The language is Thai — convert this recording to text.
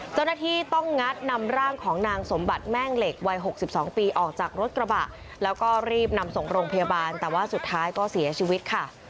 เจ้าหน้าที่ต้องงัดนำร่างของนางสมบัติแม่งเหล็กวัย๖๒ปีออกจากรถกระบะแล้วก็รีบนำส่งโรงพยาบาลแต่ว่าสุดท้ายก็เสียชีวิตค่ะ